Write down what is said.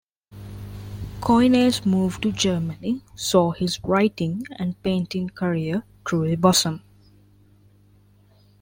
Coyne's move to Germany saw his writing and painting career truly blossom.